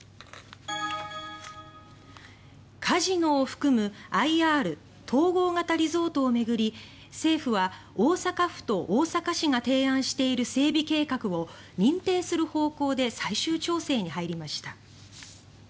カジノを含むＩＲ・統合型リゾートを巡り政府は大阪府と大阪市が提案している整備計画を認定する方向で最終調整に入りました。